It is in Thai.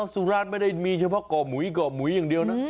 สุราชไม่ได้มีเฉพาะก่อหมุยก่อหมุยอย่างเดียวนะ